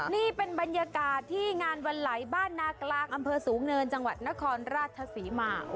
นี่เป็นบรรยากาศที่งานวันไหลบ้านนากลางอำเภอสูงเนินจังหวัดนครราชศรีมา